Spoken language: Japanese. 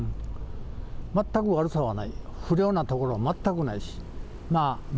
全く悪さはない、不良なところは全くないし。